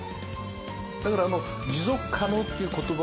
だからあの持続可能っていう言葉はね